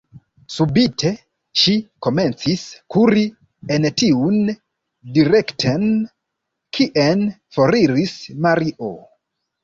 Subite ŝi komencis kuri en tiun direkten, kien foriris Mario.